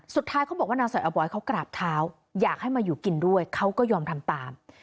เขาบอกว่านางสาวบอยเขากราบเท้าอยากให้มาอยู่กินด้วยเขาก็ยอมทำตาม